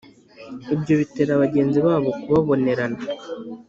ibyo bitera bagenzi babo kubabonerana